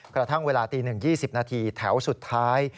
กระทั่งเวลาตี๑๒๐นาทีแถวสุดท้าย